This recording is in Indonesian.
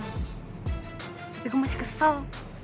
tapi gue masih kesel